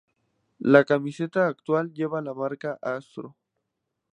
La camiseta actual lleva la marca Astro.